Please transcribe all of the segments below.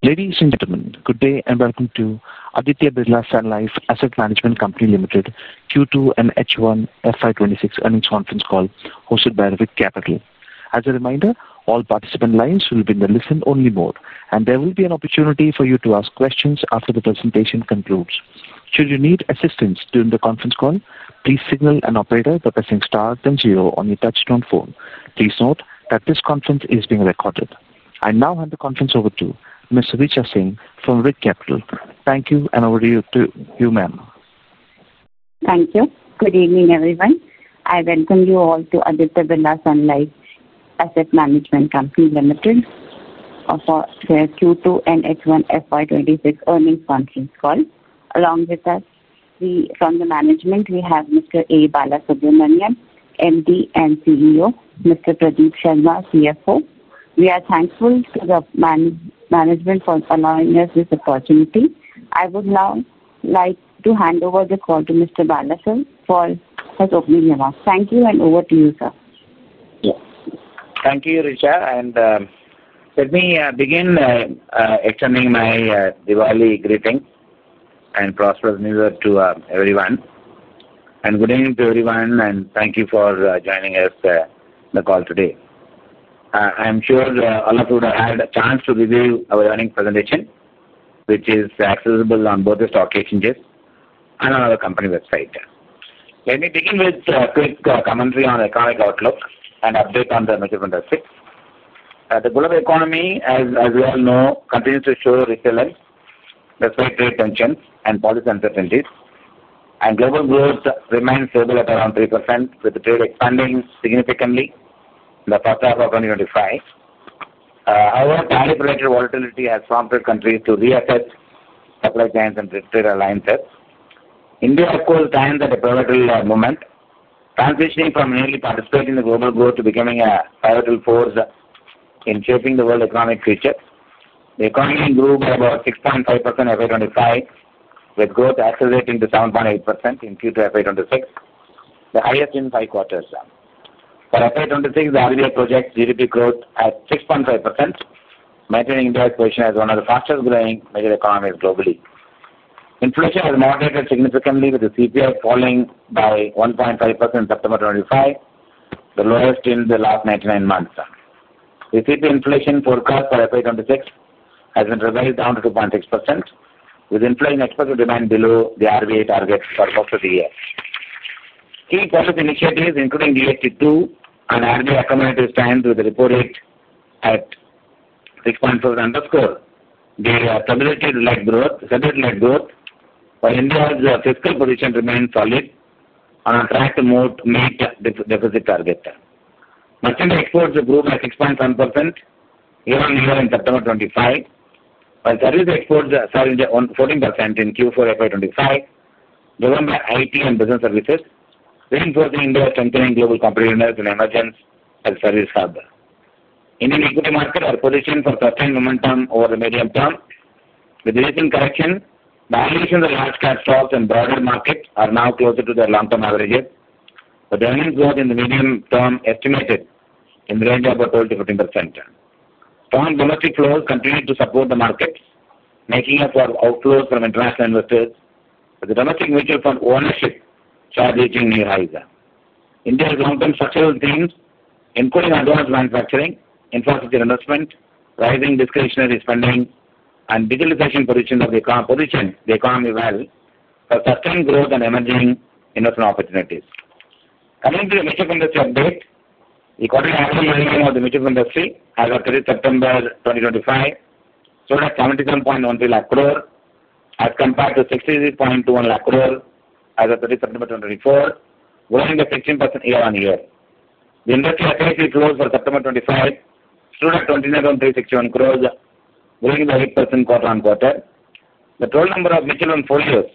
Ladies and gentlemen, good day and welcome to Aditya Birla Sun Life Asset Management Company Limited Q2 and H1 FY 2026 earnings conference call hosted by Revit Capital. As a reminder, all participant lines will be in the listen-only mode, and there will be an opportunity for you to ask questions after the presentation concludes. Should you need assistance during the conference call, please signal an operator by pressing star then zero on your touch-tone phone. Please note that this conference is being recorded. I now hand the conference over to Ms. Richa Singh from Revit Capital. Thank you, and over to you, ma'am. Thank you. Good evening, everyone. I welcome you all to Aditya Birla Sun Life Asset Management Company Limited for their Q2 and H1 FY 2026 earnings conference call. Along with us from the management, we have Mr. A. Balasubramanian, MD and CEO, and Mr. Pradeep Sharma, CFO. We are thankful to the management for allowing us this opportunity. I would now like to hand over the call to Mr. Balasubramanian for his opening remarks. Thank you, and over to you, sir. Yes. Thank you, Richa. Let me begin, extending my Diwali greetings and prosperous news to everyone. Good evening to everyone, and thank you for joining us, the call today. I'm sure all of you would have had a chance to review our earnings presentation, which is accessible on both the stock exchanges and on our company website. Let me begin with a quick commentary on the current outlook and update on the emerging investors. The global economy, as we all know, continues to show resilience despite trade tensions and policy uncertainties. Global growth remains stable at around 3%, with the trade expanding significantly in the first half of 2025. However, climate-related volatility has prompted countries to reassess supply chains and trade alliances. India's calls tend to have a pivotal moment transitioning from merely participating in global growth to becoming a pivotal force in shaping the world economic future. The economy grew by about 6.5% in FY 2025, with growth accelerating to 7.8% in Q2 FY 2026, the highest in five quarters. For FY26, the RBI projects GDP growth at 6.5%, maintaining India's position as one of the fastest-growing major economies globally. Inflation has moderated significantly, with the CPI falling by 1.5% in September 2025, the lowest in the last 99 months. The CPI inflation forecast for FY 2026 has been revised down to 2.6%, with inflation expected to remain below the RBI target for most of the year. Key service initiatives, including DAT2 and RBI, accommodate these trends with a reported at 6.4%. The stability-like growth for India's fiscal position remains solid and on track to meet the deficit target. Mustang exports grew by 6.7% year-on-year in September 2025, while service exports soared on 14% in Q4 FY 2025, driven by IT and business services, reinforcing India's strengthening global competitiveness in emerging as a service hub. Indian equity markets are positioned for sustained momentum over the medium term, with recent corrections. The valuations of large-cap stocks in broader markets are now closer to their long-term averages, with earnings growth in the medium term estimated in the range of about 12%-15%. Strong domestic flows continue to support the markets, making up for outflows from international investors, with the domestic mutual fund ownership shares reaching new highs. India's long-term structural themes, including advanced manufacturing, infrastructure investment, rising discretionary spending, and digitization, position the economy well for sustained growth and emerging investment opportunities. Coming to the mutual fund industry update, the quarterly average AUM of the mutual fund industry as of 30 September 2025 stood at INR 77.13 trillion as compared to INR 63.21 trillion as of 30 September 2024, growing by 15% year-on-year. The industry net inflows for September 2025 stood at INR 29,361 crore, growing by 8% quarter-on-quarter. The total number of mutual fund folios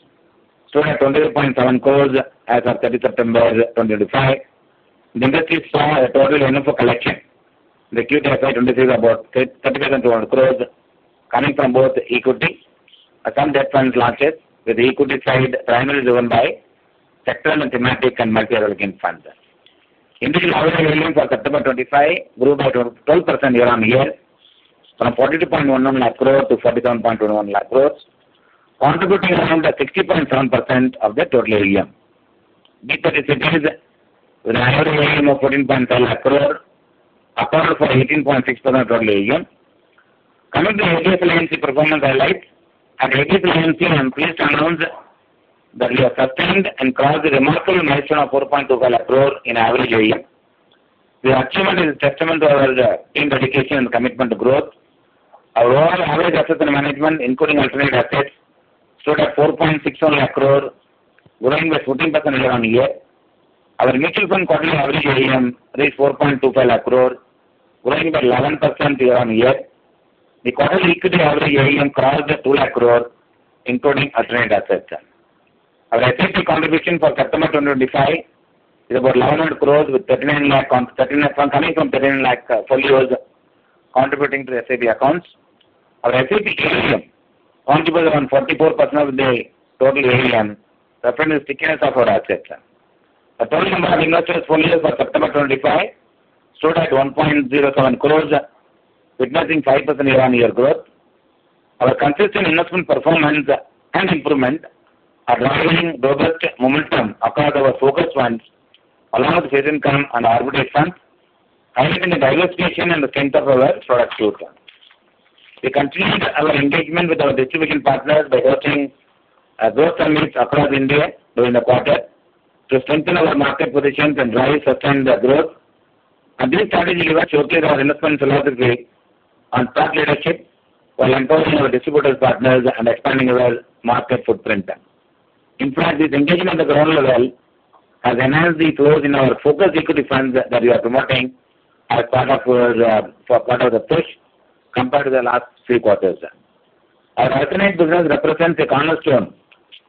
stood at INR 22.7 crore as of 30 September 2025. The industry saw a total SIP collection in Q2 FY 2026 of about INR 30,200 crore, coming from both equity and some debt fund launches, with the equity side primarily driven by sector, thematic, and multi-cap funds. Industry equity AUM for September 2025 grew by 12% year-on-year, from 42.11 trillion to 47.21 trillion, contributing around 60.7% of the total AUM. Debt funds have an average AUM of 14.5 trillion, accounting for 18.6% of the total AUM. Coming to the Aditya performance highlights, at Aditya Birla Sun Life AMC I am pleased to announce that we have sustained and crossed the remarkable milestone of 4.25 trillion in average AUM. This achievement is a testament to our team's dedication and commitment to growth. Our overall average assets under management, including alternate assets, stood at 4.61 trillion, growing by 14% year-on-year. Our mutual fund quarterly average AUM reached 4.25 trillion, growing by 11% year-on-year. The quarterly equity average AUM crossed 2 trillion, including alternate assets. Our SIP contribution for September 2025 is about 1,100 crore, with 39 lakh coming from 39 lakh folios contributing to the SIP accounts. Our SIP AUM contributed around 44% of the total AUM, referencing stickiness of our assets. The total number of investor folios for September 2025 stood at 1.07 crore, witnessing 5% year-on-year growth. Our consistent investment performance and improvement are driving robust momentum across our focus funds, along with fixed income and arbitrage funds, highlighting the diversification and the strength of our product suite. We continued our engagement with our distribution partners by hosting growth summits across India during the quarter to strengthen our market positions and drive sustained growth. These strategies showcase our investment philosophy on thought leadership while encouraging our distributor partners and expanding our market footprint. In fact, this engagement at the ground level has enhanced the flows in our focused equity funds that we are promoting as part of our push compared to the last three quarters. Our alternate business represents a cornerstone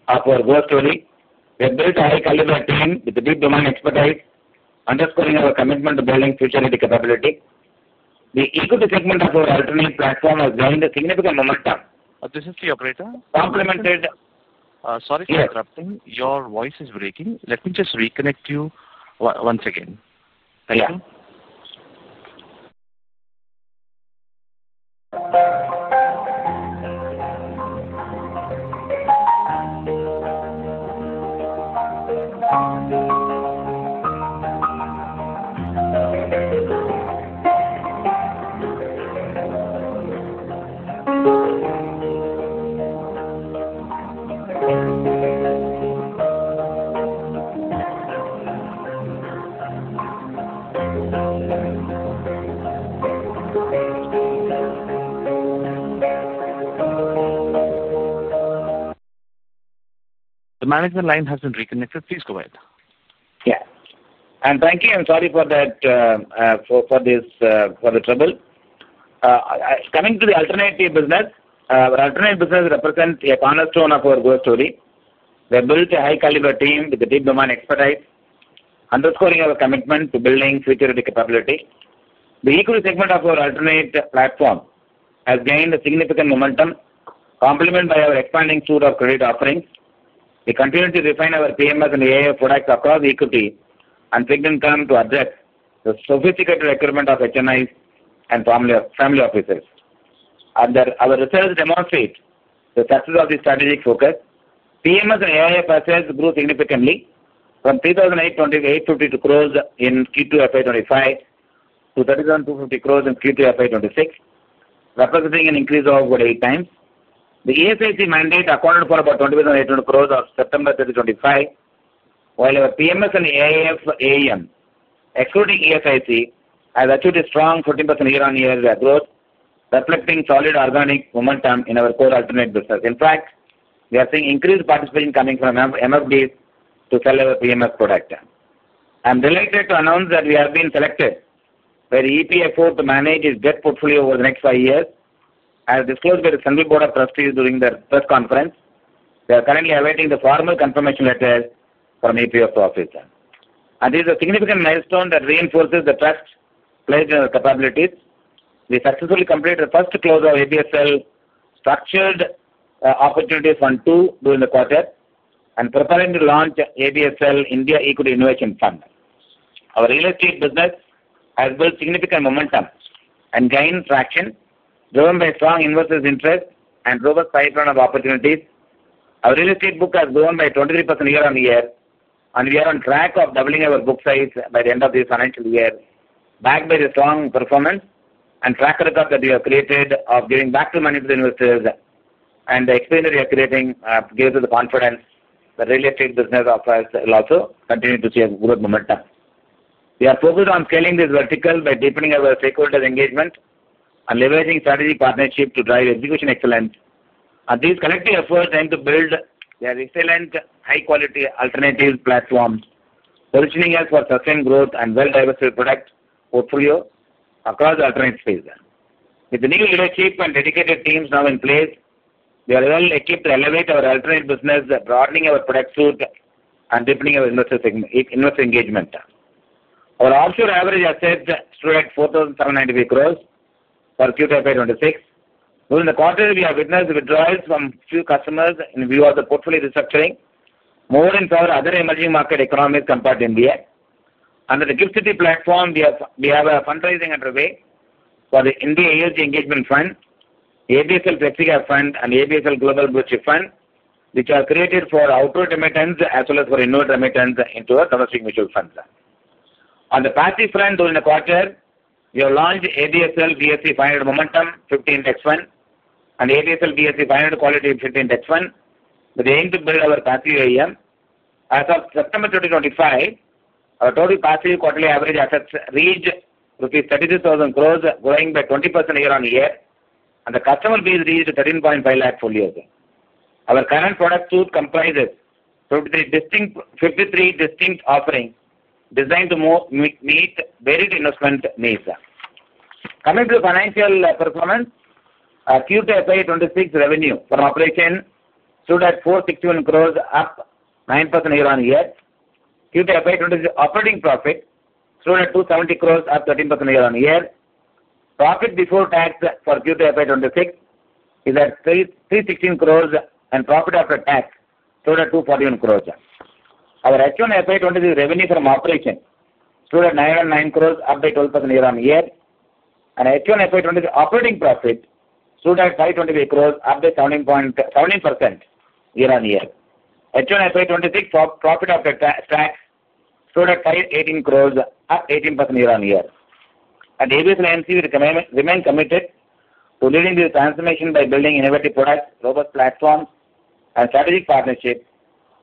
of our growth story. We have built a high-caliber team with deep domain expertise, underscoring our commitment to building future-ready capability. The equity segment of our alternate platform has gained significant momentum. This is the operator. Complemented. Sorry for interrupting. Yes. Your voice is breaking. Let me just reconnect you once again. Thank you. The management line has been reconnected. Please go ahead. Yes. Thank you, and sorry for that, for this, for the trouble. Coming to the alternate business, our alternate business represents the cornerstone of our growth story. We have built a high-caliber team with deep domain expertise, underscoring our commitment to building future-ready capability. The equity segment of our alternate platform has gained significant momentum, complemented by our expanding suite of credit offerings. We continue to refine our portfolio management services and Alternative Investment Funds products across equity and fixed income to address the sophisticated requirements of HMIs and family offices. Our research demonstrates the success of this strategic focus. Portfolio management services and Alternative Investment Funds assets grew significantly from 3,828 crore in Q2 FY 2025 to INR 3,750 crore in Q2 FY 2026, representing an increase of about 8x. The ESIC mandate acquired for about 20,800 crore as of September 2025, while our portfolio management services and Alternative Investment Funds assets under management, excluding ESIC, have achieved a strong 14% year-on-year growth, reflecting solid organic momentum in our core alternate business. In fact, we are seeing increased participation coming from MFDs to sell our portfolio management services product. I'm delighted to announce that we have been selected by the EPFO to manage its debt portfolio over the next five years, as disclosed by the Assembly Board of Trustees during the press conference. We are currently awaiting the formal confirmation letters from the EPFO office. This is a significant milestone that reinforces the trust placed in our capabilities. We successfully completed the first close of ABSL Structured Opportunities Fund II during the quarter and are preparing to launch ABSL India Equity Innovation Fund. Our real estate business has built significant momentum and gained traction, driven by strong investors' interest and a robust pipeline of opportunities. Our real estate book has grown by 23% year-on-year, and we are on track to double our book size by the end of this financial year, backed by the strong performance and track record that we have created of giving back money to the investors. The experience that we are creating gives us the confidence that the real estate business of ours will also continue to see growth momentum. We are focused on scaling this vertical by deepening our stakeholders' engagement and leveraging strategic partnerships to drive execution excellence. These collective efforts aim to build our excellent, high-quality alternate platforms, positioning us for sustained growth and a well-diversified product portfolio across the alternate space. With the new leadership and dedicated teams now in place, we are well equipped to elevate our alternate business, broadening our product suite and deepening our investor engagement. Our offshore average assets stood at 4,793 crore for Q2 FY 2026. During the quarter, we have witnessed withdrawals from a few customers in view of the portfolio restructuring, moving toward other emerging market economies compared to India. Under the GIFT City platform, we have a fundraising underway for the India ESG Engagement Fund, ABSL Flexi Cap Fund, and ABSL Global Blue Chip Fund, which are created for outward remittance as well as for inward remittance into our domestic mutual funds. On the passive front, during the quarter, we have launched ABSL Nifty 500 Momentum 50 Index Fund and ABSL Nifty 500 Quality 50 Index Fund with the aim to build our passive AUM. As of September 2025, our total passive quarterly average assets reached rupees 36,000 crore, growing by 20% year-on-year, and the customer base reached 13.5 lakh folios. Our current product suite comprises 53 distinct offerings designed to meet varied investment needs. Coming to the financial performance, Q2 FY 2026 revenue from operations stood at 461 crore, up 9% year-on-year. Q2 FY 2026 operating profit stood at 270 crore, up 13% year-on-year. Profit before tax for Q2 FY 2026 is at 316 crore, and profit after tax stood at 241 crore. Our H1 FY 2026 revenue from operations stood at 909 crore, up by 12% year-on-year. H1 FY 2026 operating profit stood at 523 crore, up by 17% year-on-year. H1 FY26 profit after tax stood at 518 crore, up 18% year-on-year. At Aditya, we remain committed to leading this transformation by building innovative products, robust platforms, and strategic partnerships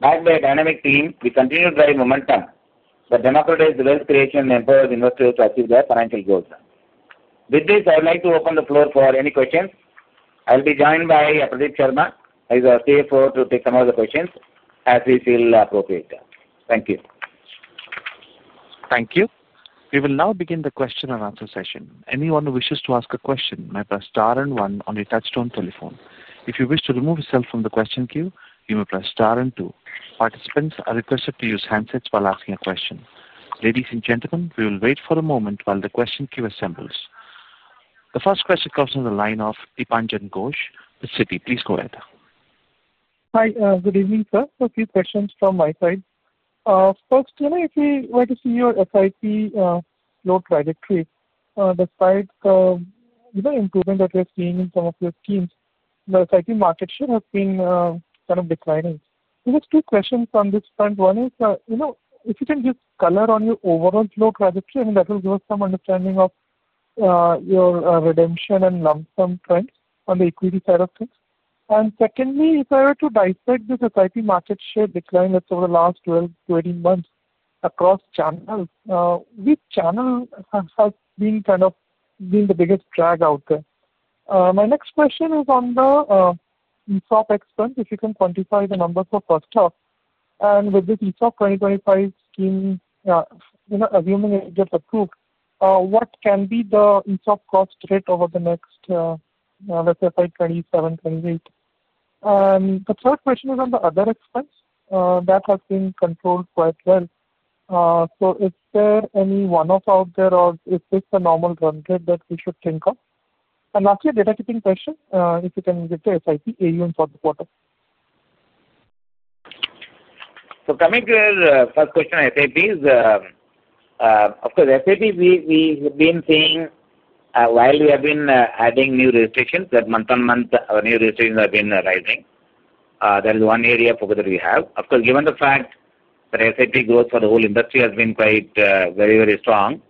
backed by a dynamic team with continued drive momentum that democratizes wealth creation and empowers investors to achieve their financial goals. With this, I would like to open the floor for any questions. I'll be joined by Pradeep Sharma, who is our CFO, to take some of the questions as we feel appropriate. Thank you. Thank you. We will now begin the question and answer session. Anyone who wishes to ask a question may press star and one. on your touch-tone telephone. If you wish to remove yourself from the question queue, you may press star and two. Participants are requested to use handsets while asking a question. Ladies and gentlemen, we will wait for a moment while the question queue assembles. The first question comes from the line of Dipanjan Ghosh with Citi. Please go ahead. Hi. Good evening, sir. A few questions from my side. First, if we were to see your SIP growth trajectory, despite improvement that we are seeing in some of your schemes, the SIP market share has been kind of declining. We have two questions on this front. One is, if you can just color on your overall growth trajectory, that will give us some understanding of your redemption and lump sum trends on the equity side of things. Secondly, if I were to dissect this SIP market share decline that's over the last 12 to 18 months across channels, which channel has been the biggest drag out there? My next question is on the in-stock expense. If you can quantify the number for cost of, and with this in-stock 2025 scheme, assuming it gets approved, what can be the in-stock cost rate over the next, let's say, by 2027, 2028? The third question is on the other expense that has been controlled quite well. Is there any one-off out there, or is this a normal run rate that we should think of? Lastly, a data keeping question, if you can get the SIP AUM for the quarter. Coming to the first question on SIPs, of course, SIP, we've been seeing, while we have been adding new registrations month on month, our new registrations have been rising. That is one area of focus that we have. Of course, given the fact that SIP growth for the whole industry has been quite, very, very strong,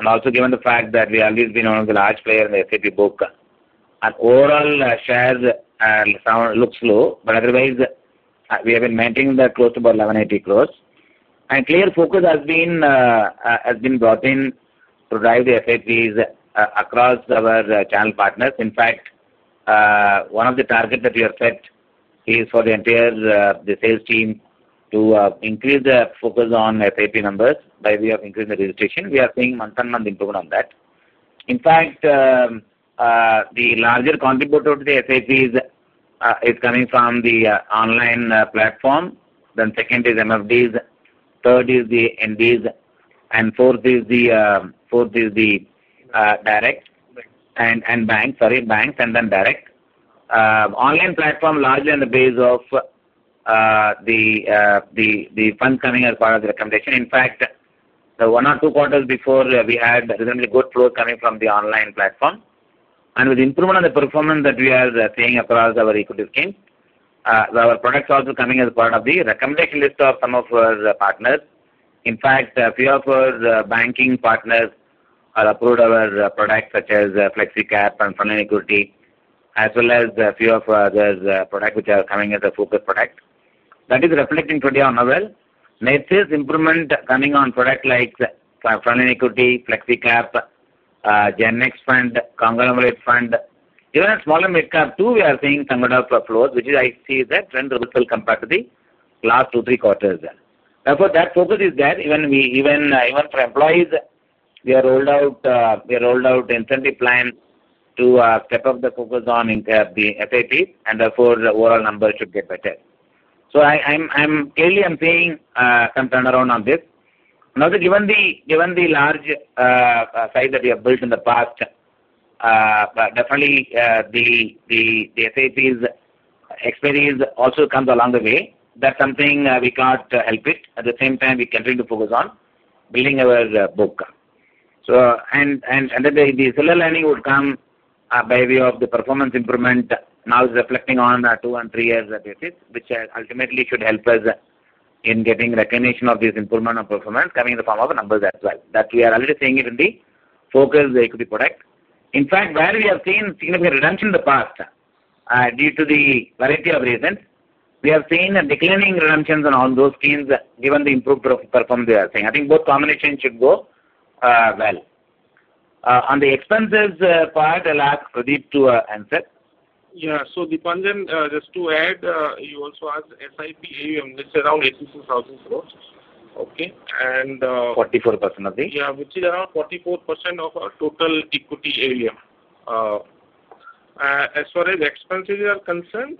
and also given the fact that we have always been one of the large players in the SIP book, our overall shares look slow, but otherwise, we have been maintaining that close to about 1,180 crores. A clear focus has been brought in to drive the SIPs across our channel partners. In fact, one of the targets that we have set is for the entire sales team to increase the focus on SIP numbers by way of increasing the registration. We are seeing month on month improvement on that. In fact, the larger contributor to the SIPs is coming from the online platform. Second is MFDs. Third is the NDs. Fourth is banks, and then direct. Online platform largely on the base of the funds coming as part of the recommendation. In fact, one or two quarters before, we had reasonably good flows coming from the online platform. With the improvement on the performance that we are seeing across our equity scheme, our product is also coming as part of the recommendation list of some of our partners. A few of our banking partners have approved our products such as Flexi Cap and Frontline Equity, as well as a few other products which are coming as a focus product. That is reflecting pretty well. Next is improvement coming on products like Frontline Equity, Flexi Cap, GenX Fund, Conglomerate Fund. Even in small and mid-cap too, we are seeing some kind of flows, which is, I see, that trend crystal compared to the last two, three quarters. Therefore, that focus is there. Even for employees, we have rolled out incentive plans to step up the focus on the SIPs, and therefore, the overall numbers should get better. I'm clearly seeing some turnaround on this. Also, given the large size that we have built in the past, definitely, the SIPs expertise also comes along the way. That's something we can't help. At the same time, we continue to focus on building our book. The similar learning would come by way of the performance improvement now reflecting on a two and three-year basis, which ultimately should help us in getting recognition of this improvement on performance coming in the form of numbers as well. We are already seeing it in the focus of the equity product. In fact, while we have seen significant redemption in the past due to a variety of reasons, we have seen a declining redemption on all those schemes given the improved performance we are seeing. I think both combinations should go well. On the expenses part, I'll ask Pradeep to answer. Yeah. Dipanjan, just to add, you also asked SIP AUM, which is around 86,000 crore. 44%, I think. Yeah, which is around 44% of our total equity AUM. As far as expenses are concerned,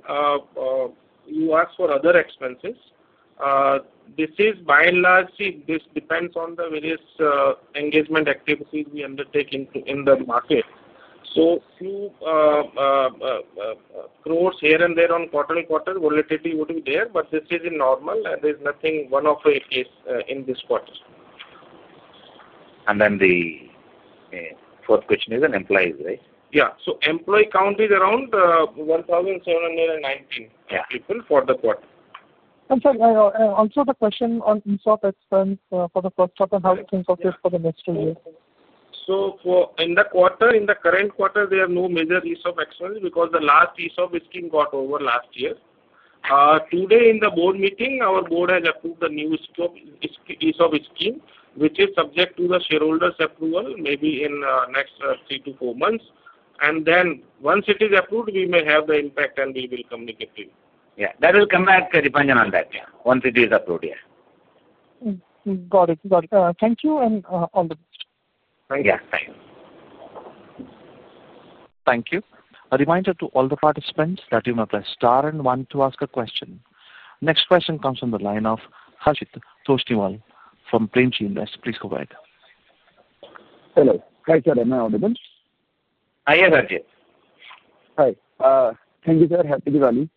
you asked for other expenses. This is by and large, see, this depends on the various engagement activities we undertake in the market. A few growths here and there on quarter-to-quarter volatility would be there, but this is normal, and there's nothing one-off case in this quarter. The fourth question is on employees, right? Yeah. Employee count is around 1,719 people for the quarter. I'm sorry, also the question on in-stock expense for the first quarter and how it's incorporated for the next two years. For the quarter, in the current quarter, there are no major in-stock expenses because the last in-stock scheme got over last year. Today in the board meeting, our board has approved the new in-stock scheme, which is subject to the shareholders' approval, maybe in the next three to four months. Once it is approved, we may have the impact, and we will communicate to you. That will come back to Dipanjan on that once it is approved. Got it. Got it. Thank you and all the best. Thank you. Thank you. Thank you. A reminder to all the participants that you may press star one to ask a question. Next question comes from the line of Harjit Toshtiwal from Plainview Invest. Please go ahead. Hello. Hi, sir. Am I audible? Hi, yes, Harjit. Hi. Thank you, sir. Happy Diwali.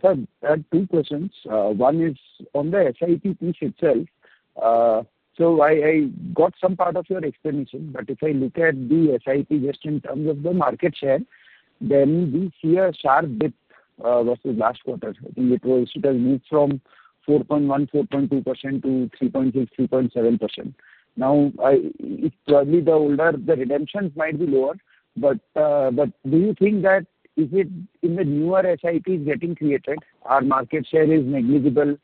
Sir, I have two questions. One is on the SIP piece itself. I got some part of your explanation, but if I look at the SIP just in terms of the market share, then we see a sharp dip versus last quarter. I think it has moved from 4.1%, 4.2% to 3.6%, 3.7%. Now, it's probably the older, the redemptions might be lower, but do you think that is it in the newer SIPs getting created? Our market share is negligible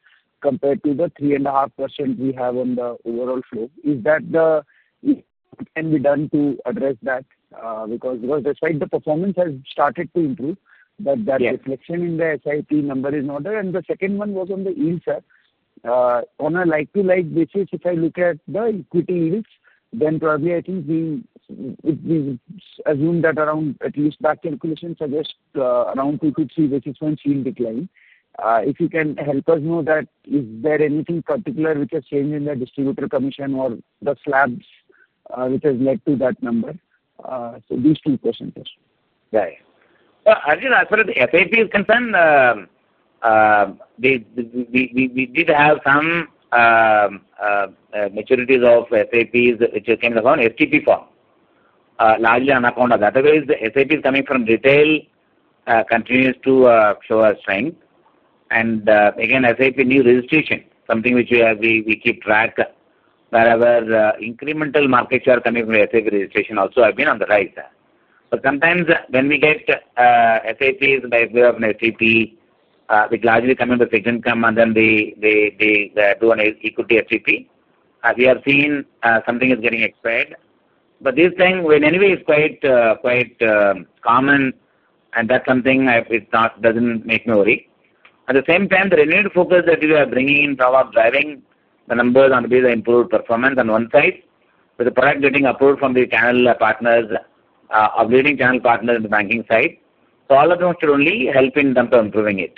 compared to the 3.5% we have on the overall flow. Is that, can be done to address that? Because despite the performance has started to improve, that reflection in the SIP number is not there. The second one was on the yield, sir. On a like-to-like basis, if I look at the equity yields, then probably I think we, if we assume that around at least that calculation suggests, around 2 basis points-3 basis points in decline. If you can help us know that, is there anything particular which has changed in the distributor commission or the slabs, which has led to that number? So these two questions, sir. As far as the SIP is concerned, we did have some maturities of SIPs which came in the form of FTP form, largely on account of that. Otherwise, the SIPs coming from retail continue to show strength. Again, SIP new registration is something which we keep track of. Wherever incremental market share coming from the SIP registration also has been on the rise. Sometimes, when we get SIPs by way of an FTP, which largely come in with fixed income and then they do an equity FTP, we have seen something is getting expired. This time, anyway, it's quite common, and that's something I, it's not, doesn't make me worry. At the same time, the renewed focus that we are bringing in, power of driving the numbers on the improved performance on one side, with the product getting approved from the channel partners, of leading channel partners in the banking side. All of those should only help in terms of improving it.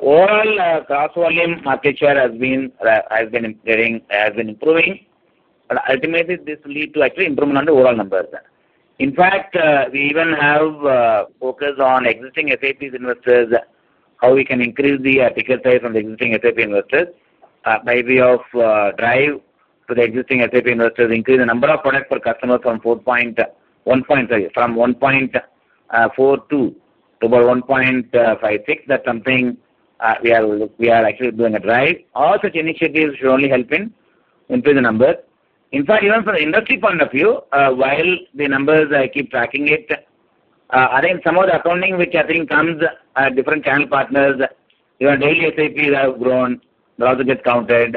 Overall, cross-volume market share has been improving. Ultimately, this will lead to actually improvement on the overall numbers. In fact, we even have focused on existing SIP investors, how we can increase the ticket size on the existing SIP investors, by way of drive to the existing SIP investors, increase the number of products per customer from 1.42 to about 1.56. That's something we are actually doing a drive. All such initiatives should only help in increase the numbers. In fact, even for the industry point of view, while the numbers, I keep tracking it, again, some of the accounting, which I think comes at different channel partners, even daily SIPs have grown. They also get counted.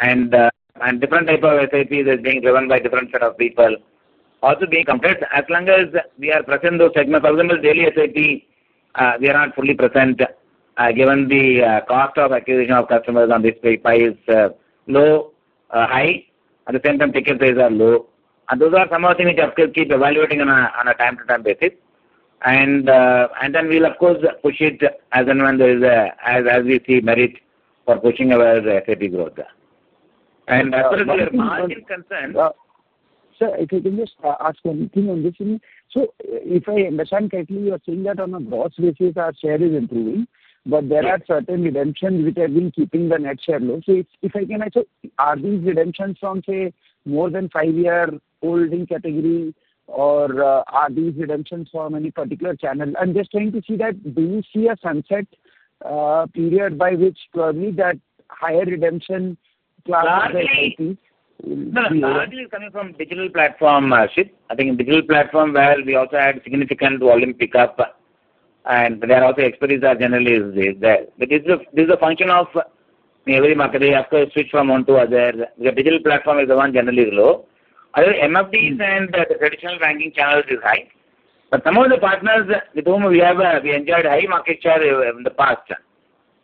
Different types of SIPs are being driven by different set of people. Also, being compared, as long as we are present in those segments, as long as daily SIP, we are not fully present, given the cost of acquisition of customers on this pay pie, it's low, high. At the same time, ticket size are low. Those are some of the things which I still keep evaluating on a time-to-time basis. Then we'll, of course, push it as and when there is a, as we see merit for pushing our SIP growth. As far as the margin is concerned. If I understand correctly, you are saying that on a growth basis, our share is improving, but there are certain redemptions which have been keeping the net share low. If I can answer, are these redemptions from, say, more than five-year holding category, or are these redemptions from any particular channel? I'm just trying to see that. Do you see a sunset period by which probably that higher redemption class of SIP will be low? No, no. The margin is coming from digital platform shift. I think digital platform, where we also had significant volume pickup, and there are also expertise that generally is there. This is a function of every market. They have to switch from one to others. The digital platform is the one generally low. Other MFDs and the traditional banking channels are high. Some of the partners with whom we have, we enjoyed high market share in the past,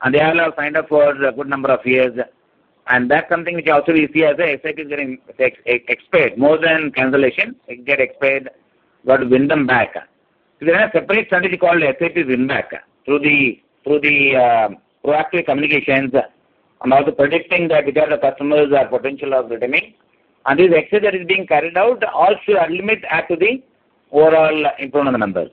and they have signed up for a good number of years. That's something which also we see as SIPs getting expired. More than cancellation, they can get expired, we want to win them back. There is a separate strategy called SIP win-back through the proactive communications and also predicting that which are the customers' potential of returning. This exit that is being carried out also should ultimately add to the overall improvement on the numbers.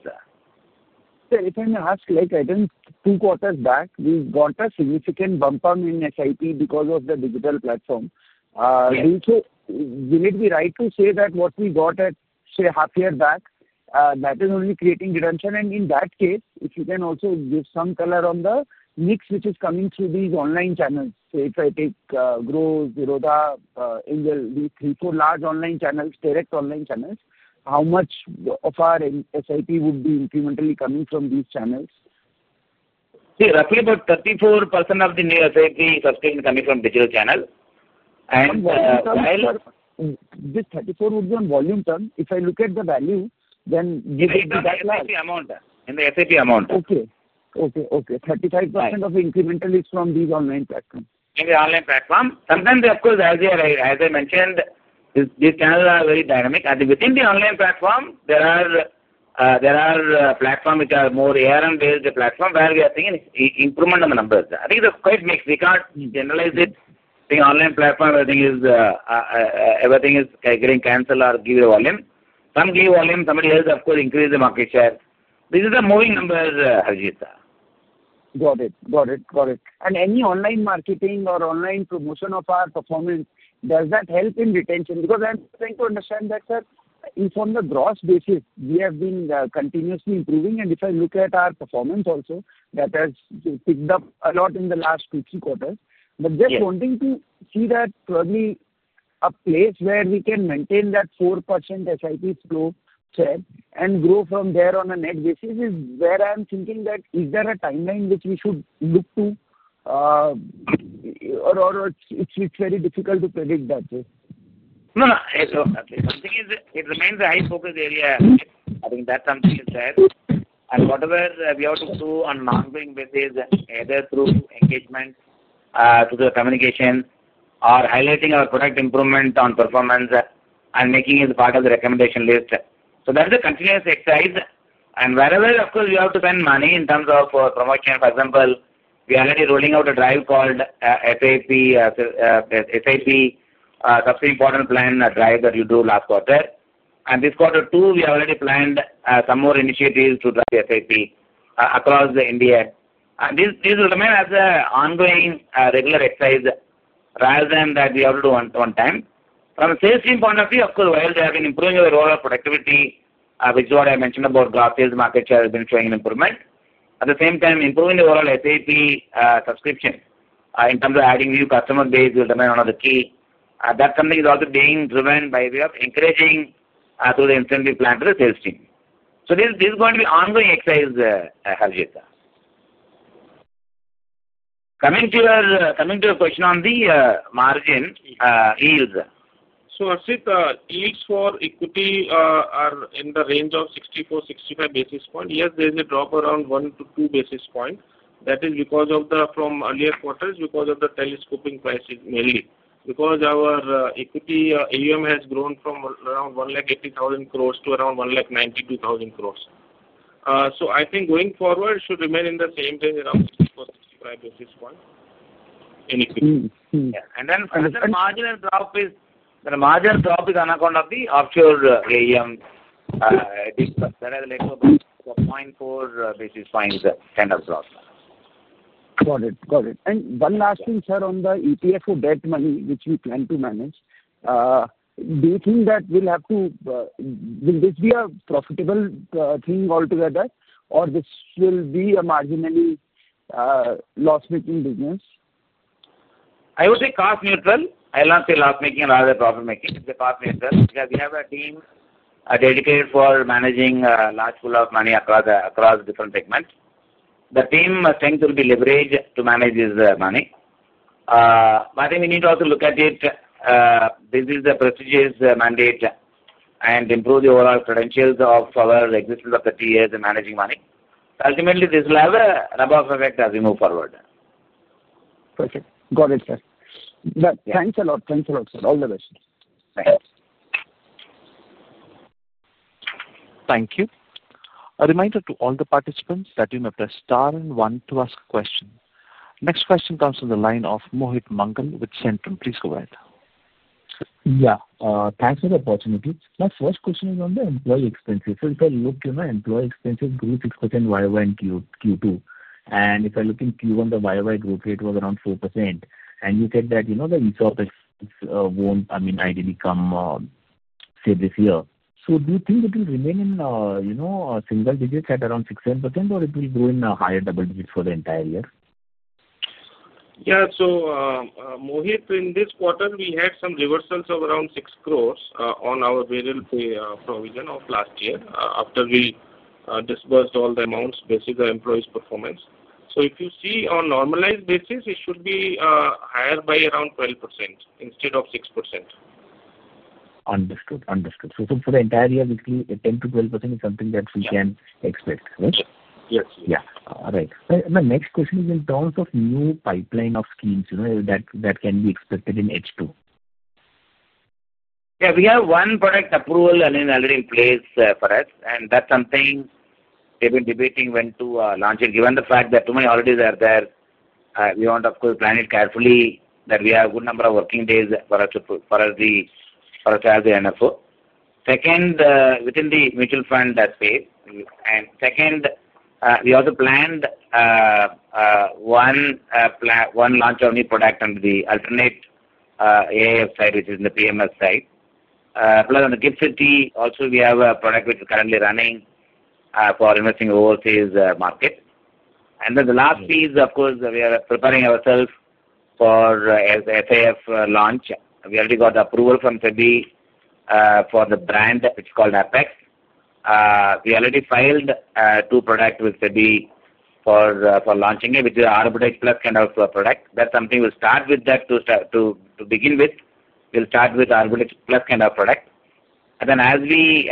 Sir, if I may ask, like I think two quarters back, we got a significant bump up in SIP because of the digital platform. Yes. Will it be right to say that what we got at, say, half a year back, that is only creating redemption? In that case, if you can also give some color on the mix which is coming through these online channels, say, if I take Groww, Zerodha, Angel, these three, four large online channels, direct online channels, how much of our SIP would be incrementally coming from these channels? See, roughly about 34% of the new SIPs sustained coming from digital channel. This 34% would be on volume term. If I look at the value, then give it to that class. In the SIP amount. Okay. 35% of the incremental is from these online platforms. In the online platform, these channels are very dynamic. Within the online platform, there are platforms which are more ARM-based platforms where we are seeing an improvement in the numbers. I think it's quite mixed. We can't generalize it. The online platform, I think, is everything is getting canceled or given a volume. Some give volume. Somebody else, of course, increase the market share. This is the moving numbers, Harjit. Got it. Any online marketing or online promotion of our performance, does that help in retention? I'm trying to understand that, sir, if on the growth basis, we have been continuously improving. If I look at our performance also, that has picked up a lot in the last two, three quarters. Just wanting to see that probably a place where we can maintain that 4% SIP flow set and grow from there on a net basis is where I'm thinking. Is there a timeline which we should look to, or it's very difficult to predict that, sir? No, no. It remains a high-focus area. I think that's something there. Whatever we have to do on a monthly basis, either through engagement, through the communications, or highlighting our product improvement on performance and making it a part of the recommendation list, that's a continuous exercise. Wherever we have to spend money in terms of promotion, for example, we are already rolling out a drive called SIP, Systematic Investment Plan, a drive that we drew last quarter. This quarter two, we have already planned some more initiatives to drive the SIP across India. This will remain as an ongoing, regular exercise rather than something we have to do one time. From a sales team point of view, while they have been improving our overall productivity, which is what I mentioned about growth, sales market share has been showing an improvement. At the same time, improving the overall SIP subscription in terms of adding new customer base will remain one of the key areas. That's something that's also being driven by way of encouraging, through the incentive plan to the sales team. This is going to be an ongoing exercise, Harjeet. Coming to your question on the margin, yields. Harjeet, yields for equity are in the range of 64 basis points, 65 basis points. Yes, there is a drop around 1 basis points to 2 basis points. That is because of the from earlier quarters, because of the telescoping prices mainly. Because our equity AUM has grown from around 180,000 crore to around 192,000 crore. I think going forward, it should remain in the same range, around 64 basis points, 65 basis points in equity. Yeah, the marginal drop is on account of the offshore AUM discount. That is less than 0.4 basis points kind of drop. Got it. Got it. One last thing, sir, on the ETF for debt money, which we plan to manage, do you think that we'll have to, will this be a profitable thing altogether, or this will be a marginally loss-making business? I would say cost neutral. I'll not say loss-making rather than profit-making. It's cost neutral because we have a team dedicated for managing a large pool of money across different segments. The team strength will be leveraged to manage this money. I think we need to also look at it as a business prestige mandate and improve the overall credentials of our existence of the three years in managing money. Ultimately, this will have a rub-off effect as we move forward. Perfect. Got it, sir. Yeah. Thanks a lot. Thanks a lot, sir. All the best. Thanks. Thank you. A reminder to all the participants that you may press *1 to ask a question. Next question comes from the line of Mohit Mangal with Centrum. Please go ahead. Yeah, thanks for the opportunity. My first question is on the employee expenses. If I look, you know, employee expenses grew 6% YoY in Q2. If I look in Q1, the YoY growth rate was around 4%. You said that, you know, the in-stock won't, I mean, ideally come, say this year. Do you think it will remain in, you know, a single digit at around 6% or 7%, or it will grow in a higher double digit for the entire year? Yeah. Mohit, in this quarter, we had some reversals of around 6 crore on our various pay provision of last year, after we disbursed all the amounts based on the employees' performance. If you see on a normalized basis, it should be higher by around 12% instead of 6%. Understood. Understood. For the entire year, basically, 10%-12% is something that we can expect, right? Yes. Yes. All right. My next question is in terms of new pipeline of schemes that can be expected in H2. Yeah. We have one product approval already in place for us, and that's something we've been debating when to launch it. Given the fact that too many already are there, we want to, of course, plan it carefully so that we have a good number of working days for us to have the NFO. Second, within the mutual fund, that's paid. We also planned one launch of a new product under the alternate AIF side, which is in the portfolio management services side. Plus, on the GIFT City also, we have a product which is currently running for investing in overseas markets. The last piece, of course, we are preparing ourselves for a SAF launch. We already got approval from SEBI for the brand which is called APEX. We already filed two products with SEBI for launching it, which is the Birla Plus kind of product. We'll start with that to begin with. We'll start with Birla Plus kind of product, and then as we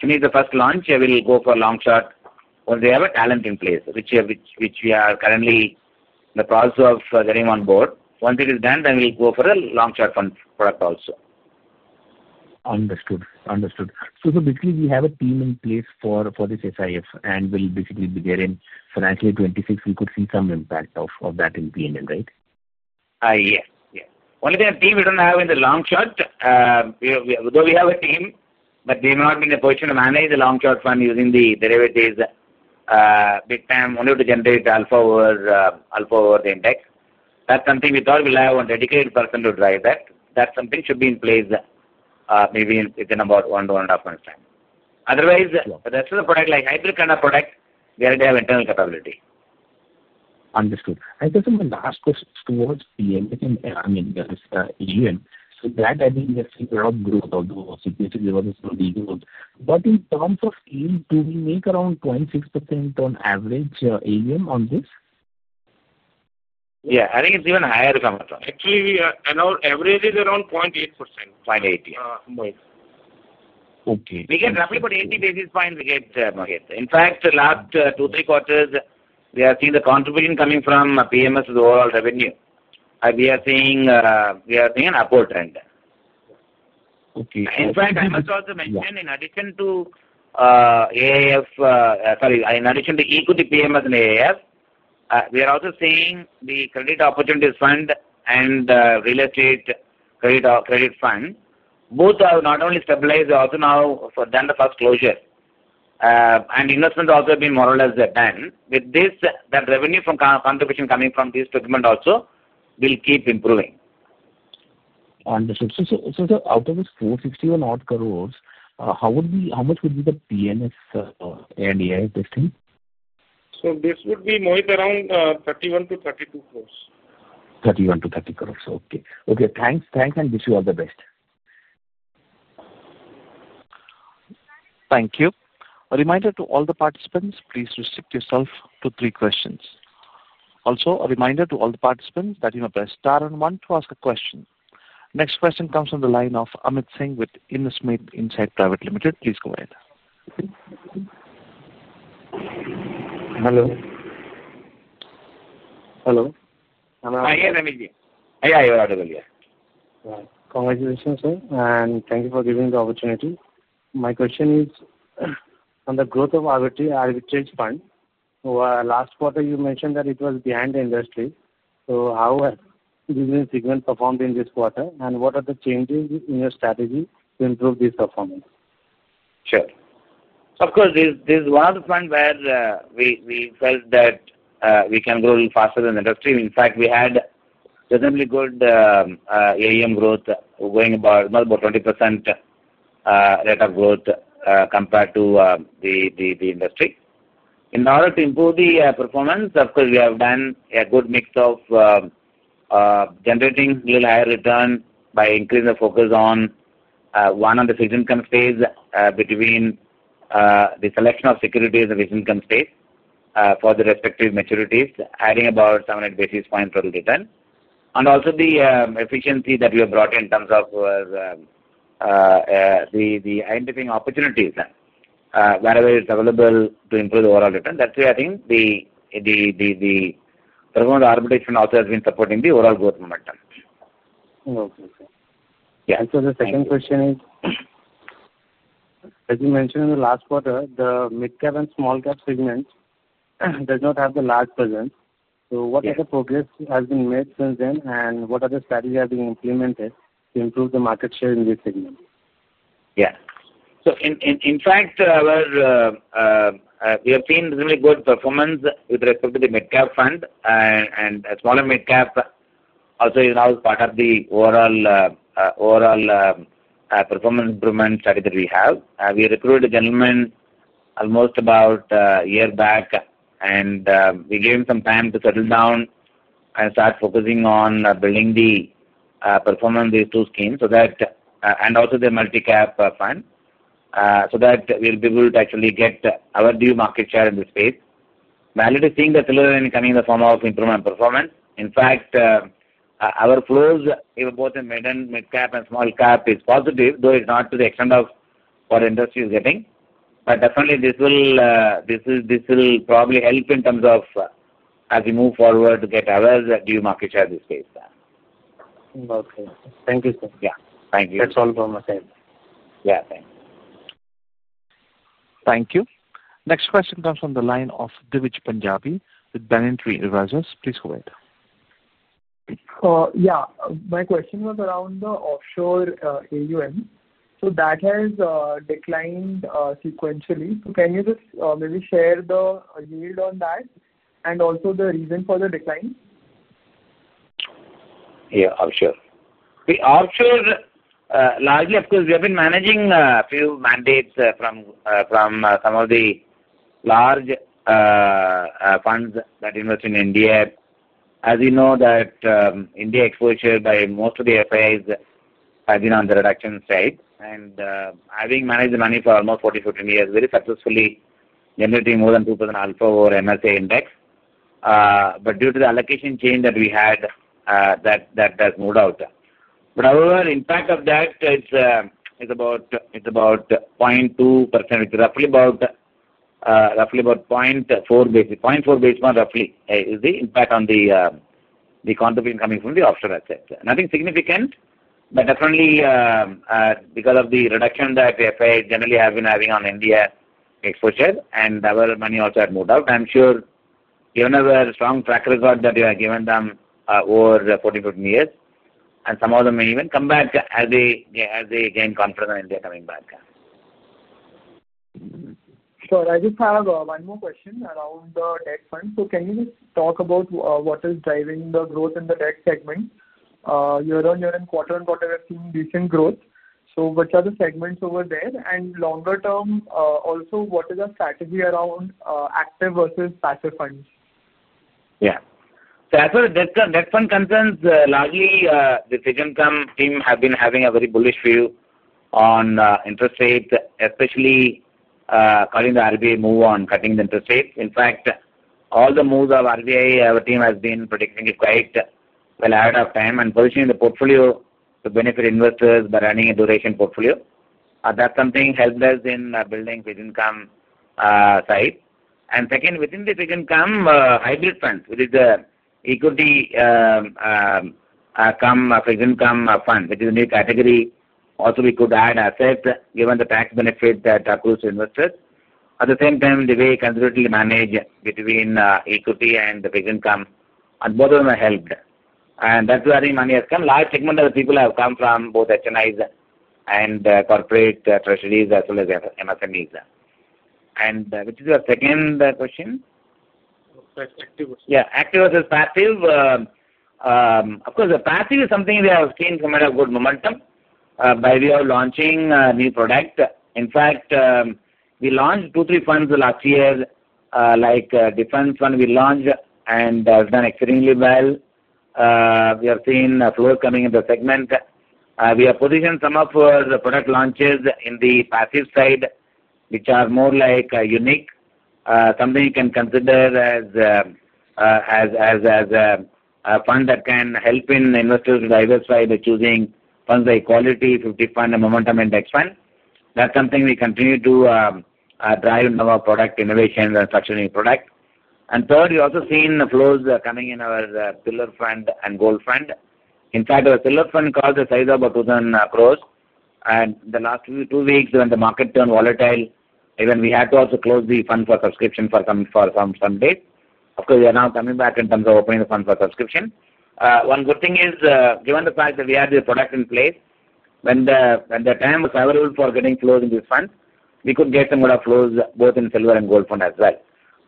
finish the first launch, we'll go for a long-short once we have the talent in place, which we are currently in the process of getting on board. Once it is done, then we'll go for a long-short product also. Understood. Basically, we have a team in place for this SIF and will basically be there in financial year 2026. We could see some impact of that in P&L, right? Yes. Only the team we don't have in the long shot. We have a team, but we have not been in a position to manage the long shot fund using the derivatives, big time, only to generate alpha over the index. That's something we thought we'll have a dedicated person to drive that. That's something that should be in place, maybe within about one to one and a half months' time. Otherwise, the rest of the product, like hybrid kind of product, we already have internal capability. Understood. I guess my last question is towards portfolio management services, I mean, AUM, so that I think we have seen a lot of growth, although significantly lower. In terms of AUM, do we make around 0.6% on average, AUM on this? Yeah, I think it's even higher if I'm not wrong. Actually, we are, and our average is around 0.8%. 0.8. 0.8. Okay. We get roughly about 80 basis points we get per head. In fact, the last two, three quarters, we have seen the contribution coming from portfolio management services to the overall revenue. We are seeing an upward trend. Okay. In fact, I must also mention, in addition to equity portfolio management services and AIF, we are also seeing the credit opportunities fund and real estate credit fund. Both are not only stabilized, they've also now done the first closure, and investments also have been more or less done. With this, that revenue from contribution coming from this document also will keep improving. Understood. Out of this 461 crore, how much would be the portfolio management services and AIF this time? This would be, Mohit, around 31 crore-32 crore. 31 crore-32 crore. Okay. Okay. Thanks. Thanks. Wish you all the best. Thank you. A reminder to all the participants, please restrict yourself to three questions. Also, a reminder to all the participants that you may press *1 to ask a question. Next question comes from the line of Amit Singh with Innosmith Insight Private Limited. Please go ahead. Hello. Hello. Hi. Hi, Amit Singh. Hi. Yeah, you're audible. Yeah. Congratulations, sir. Thank you for giving me the opportunity. My question is, on the growth of Birla Fund, last quarter you mentioned that it was behind the industry. How has the business segment performed in this quarter, and what are the changes in your strategy to improve this performance? Sure. Of course, this was a fund where we felt that we can grow a little faster than the industry. In fact, we had reasonably good AUM growth going about, it was about 20% rate of growth compared to the industry. In order to improve the performance, of course, we have done a good mix of generating a little higher return by increasing the focus on, one, on the fixed income space, between the selection of securities in fixed income space for the respective maturities, adding about 700 basis points total return. Also, the efficiency that we have brought in terms of identifying opportunities wherever it's available to improve the overall return. That's why I think the performance of Birla Fund also has been supporting the overall growth momentum. Okay. Okay. Yeah. The second question is, as you mentioned in the last quarter, the mid-cap and small-cap segment does not have the large presence. What other progress has been made since then, and what other strategies are being implemented to improve the market share in this segment? Yeah. In fact, we have seen reasonably good performance with respect to the mid-cap fund. A smaller mid-cap also is now part of the overall performance improvement strategy that we have. We recruited a gentleman almost about a year back, and we gave him some time to settle down and start focusing on building the performance of these two schemes and also the multi-cap fund, so that we'll be able to actually get our new market share in this space. We're already seeing the similar incoming in the form of improvement in performance. In fact, our flows, even both in mid-cap and small-cap, is positive, though it's not to the extent of what the industry is getting. This will probably help in terms of, as we move forward, to get our new market share in this space. Okay. Thank you, sir. Thank you. That's all from my side. Yeah. Thanks. Thank you. Next question comes from the line of [Dwij] Punjabi with InCred Equities. Please go ahead. Yeah, my question was around the offshore AUM. That has declined sequentially. Can you just maybe share the yield on that and also the reason for the decline? Yeah, offshore. Offshore, largely, of course, we have been managing a few mandates from some of the large funds that invest in India. As you know, India exposure by most of the FIAs has been on the reduction side. Having managed the money for almost 14 to 15 years, very successfully generating more than 2% alpha over MSA index, due to the allocation chain that we had, that has moved out. Our impact of that is about 0.2%, which is roughly about 0.4 basis points. 0.4 basis points roughly is the impact on the contribution coming from the offshore assets. Nothing significant, but definitely, because of the reduction that the FIAs generally have been having on India exposure, our money also had moved out. I'm sure given our strong track record that we have given them over 14 to 15 years, some of them may even come back as they gain confidence in India coming back. Sir, I just have one more question around the debt fund. Can you just talk about what is driving the growth in the debt segment? Year on year and quarter on quarter, we're seeing decent growth. Which are the segments over there? Longer term, also, what is our strategy around active versus passive funds? Yeah. As far as the debt fund concerns, largely, the fixed income team has been having a very bullish view on interest rates, especially, causing the RBI move on cutting the interest rates. In fact, all the moves of RBI, our team has been predicting it quite well ahead of time and positioning the portfolio to benefit investors by running a duration portfolio. That's something helped us in building fixed income side. Second, within the fixed income, hybrid funds, which is the equity-cum-fixed income funds, which is a new category, also, we could add assets given the tax benefit that accrues to investors. At the same time, the way we conservatively manage between equity and the fixed income, both of them have helped. That's where I think money has come. Large segment of the people have come from both HNIs and corporate treasuries as well as MSMEs. Which is your second question? Of course, active. Yeah. Active versus passive. Of course, the passive is something that has seen some kind of good momentum by way of launching a new product. In fact, we launched two, three funds last year, like, defense fund we launched, and that has done extremely well. We have seen a flow coming in the segment. We have positioned some of the product launches in the passive side, which are more like, unique. Something you can consider as a fund that can help investors to diversify by choosing funds like Quality 50 Fund and Momentum Index Fund. That's something we continue to drive in our product innovation and structuring product. Third, we've also seen the flows coming in our Pillar Fund and Gold Fund. In fact, our Pillar Fund crossed a size of about 2,000 crore. In the last two weeks, when the market turned volatile, even we had to also close the fund for subscription for some days. Of course, we are now coming back in terms of opening the fund for subscription. One good thing is, given the fact that we have the product in place, when the time was available for getting flows in these funds, we could get some kind of flows both in Pillar and Gold Fund as well.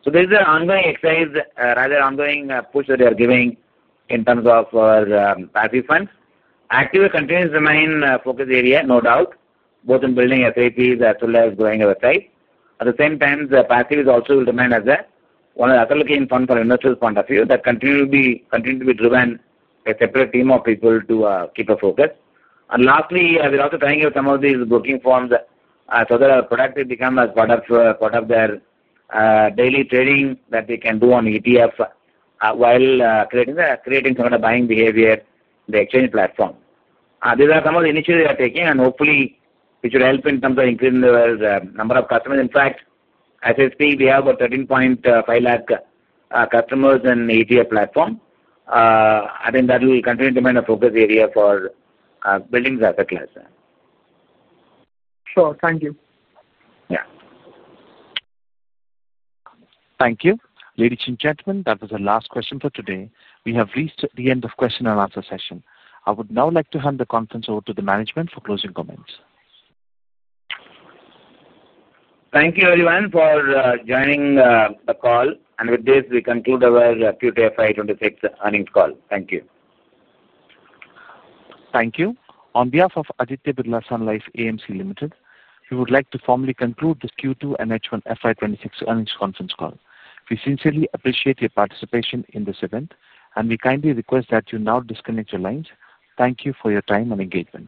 There is an ongoing exercise, rather an ongoing push that we are giving in terms of our passive funds. Active continues to remain a focus area, no doubt, both in building SIPs as well as growing our site. At the same time, the passive is also will remain as one of the other looking funds from an investors' point of view that continue to be driven by a separate team of people to keep a focus. Lastly, we're also trying out some of these booking forms, so that our product will become as part of their daily trading that they can do on ETF, while creating some kind of buying behavior in the exchange platform. These are some of the initiatives we are taking, and hopefully, it should help in terms of increasing our number of customers. In fact, as I speak, we have about 13.5 lakh customers in the ETF platform. I think that will continue to remain a focus area for building the asset class. Sure. Thank you. Yeah. Thank you. Ladies and gentlemen, that was the last question for today. We have reached the end of the question and answer session. I would now like to hand the conference over to the management for closing comments. Thank you, everyone, for joining the call. With this, we conclude our Q2 FY26 earnings call. Thank you. Thank you. On behalf of Aditya Birla Sun Life AMC Limited, we would like to formally conclude the Q2 and H1 FY26 earnings conference call. We sincerely appreciate your participation in this event, and we kindly request that you now disconnect your lines. Thank you for your time and engagement.